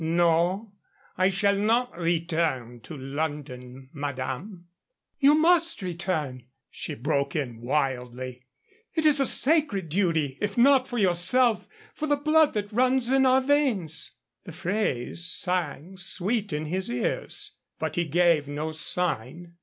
No. I shall not return to London, madame." "You must return," she broke in, wildly. "It is a sacred duty. If not for yourself, for the blood that runs in our veins." The phrase sang sweet in his ears. But he gave no sign.